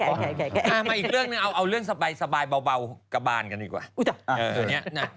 มาอีกเรื่องหนึ่งเอาเรื่องสบายเบากระบานกันดีกว่า